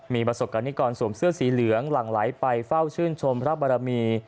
มีประสบกรณิกรสวมเสื้อสีเหลืองหลั่งไหลไปเฝ้าชื่นชมพระบารมี